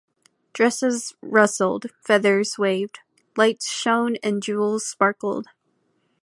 Dresses rustled, feathers waved, lights shone, and jewels sparkled.